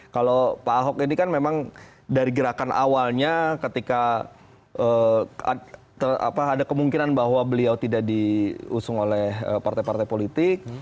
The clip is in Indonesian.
kalau pak ahok ini kan memang dari gerakan awalnya ketika ada kemungkinan bahwa beliau tidak diusung oleh partai partai politik